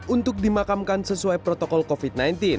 untuk dimakamkan sesuai protokol covid sembilan belas